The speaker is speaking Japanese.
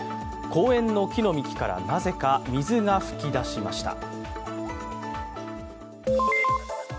公園の木の幹からなぜか水が噴き出しました。